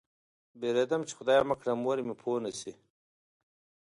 وېرېدم چې خدای مه کړه مور مې پوه نه شي.